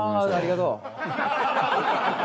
「ありがとう」。